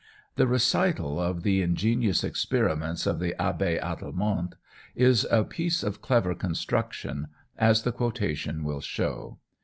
The recital of the ingenious experiments of the Abbé Adelmonte is a piece of clever construction, as the quotation will show.